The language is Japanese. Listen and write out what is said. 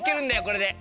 これで。